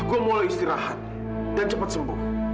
gue mulai istirahat dan cepat sembuh